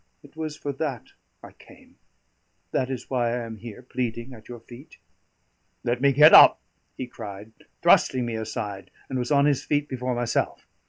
It was for that I came; that is why I am here pleading at your feet." "Let me get up," he cried, thrusting me aside, and was on his feet before myself.